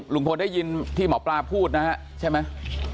ลุงพลได้ยินที่หมอปลาพูดนะฮะใช่ไหม